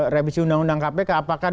revisi undang undang kpk apakah